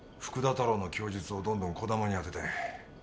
福田太郎の供述をどんどん児玉に当てたい。